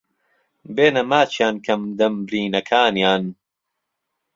بێنه ماچیان کهم دەم برینهکانیان